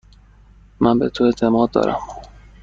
من به تو اعتماد دارم.